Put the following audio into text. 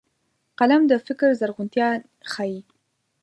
قلم د فکر زرغونتيا ښيي